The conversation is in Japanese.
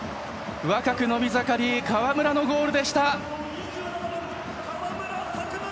若く、伸び盛り川村のゴールでした！